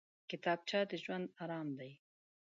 کتابچه د ژوند ارام دی